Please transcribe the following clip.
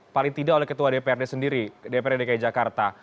paling tidak oleh ketua dprd sendiri dprd dki jakarta